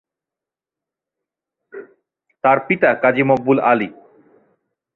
তার পিতা কাজী মকবুল আলী।